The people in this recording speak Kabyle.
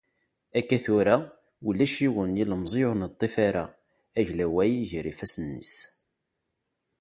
Akka tura, ulac yiwen n yilemẓi ur neṭṭif ara aglaway gar yifassen-is.